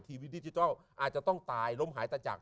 วิดิจิทัลอาจจะต้องตายล้มหายตะจาก